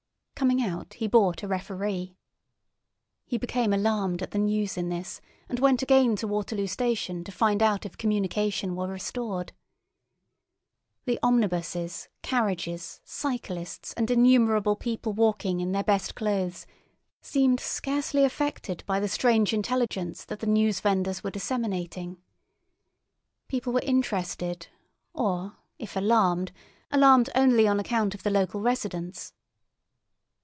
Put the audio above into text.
Coming out, he bought a Referee. He became alarmed at the news in this, and went again to Waterloo station to find out if communication were restored. The omnibuses, carriages, cyclists, and innumerable people walking in their best clothes seemed scarcely affected by the strange intelligence that the newsvendors were disseminating. People were interested, or, if alarmed, alarmed only on account of the local residents.